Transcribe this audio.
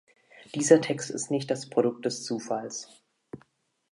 Dieser Text ist nicht das Produkt des Zufalls.